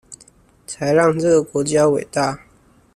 才讓這個國家偉大